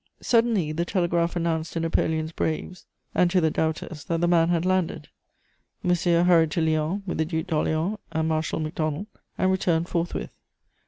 Suddenly the telegraph announced to Napoleon's braves and to the doubters that the man had landed: Monsieur hurried to Lyons, with the Duc d'Orléans and Marshal Macdonald, and returned forthwith.